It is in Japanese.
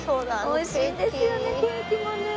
おいしいんですよねケーキもね！